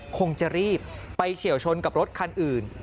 คงจะรีบไปเฉียวชนกับรถคันอื่น